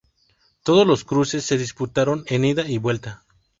Todos los cruces se disputaron en ida y vuelta.